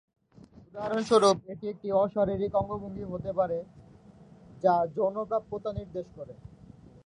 উদাহরণস্বরূপ, এটি একটি অ-শারীরিক অঙ্গভঙ্গি হতে পারে যা যৌন প্রাপ্যতা নির্দেশ করে।